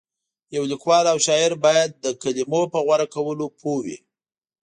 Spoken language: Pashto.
یو لیکوال او شاعر باید د کلمو په غوره کولو پوه وي.